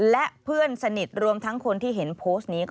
และเพื่อนสนิทรวมทั้งคนที่เห็นโพสต์นี้